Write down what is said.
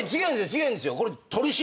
違うんですよ。